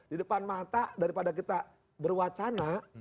di depan mata daripada kita berwacana